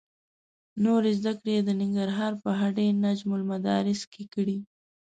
نورې زده کړې یې د ننګرهار په هډې نجم المدارس کې کړې.